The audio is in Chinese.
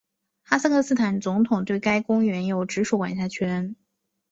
哈萨克斯坦总统对该公园有直属管辖权。